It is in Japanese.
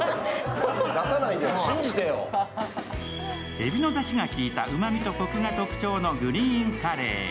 えびのだしが効いたうまみとこくが特徴のグリーンカレー。